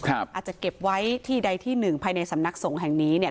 อาจจะเก็บไว้ที่ใดที่หนึ่งภายในสำนักสงฆ์แห่งนี้เนี่ย